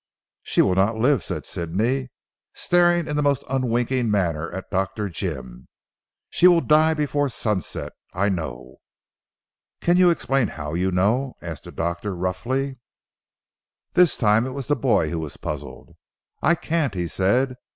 "She will not live," said Sidney, staring in the most unwinking manner at Dr. Jim. "She will die before sunset. I know." "Can you explain how you do know?" asked the doctor roughly. This time it was the boy who was puzzled, "I can't," he said.